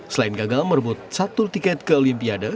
selain gagal merebut satu tiket ke olimpiade